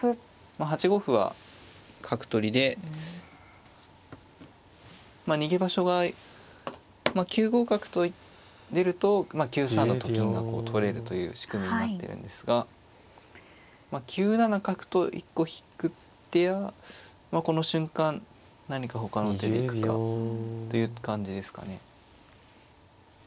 まあ８五歩は角取りで逃げ場所が９五角と出ると９三のと金がこう取れるという仕組みになってるんですが９七角と１個引く手やこの瞬間何かほかの手で行くかといった感じですかね。